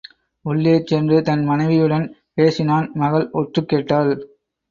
உள்ளே சென்று தன் மனைவியுடன் பேசினான் மகள் ஒற்றுக்கேட்டாள்.